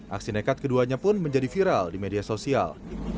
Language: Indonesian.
aksi nekat keduanya pun menjadi viral di media sosial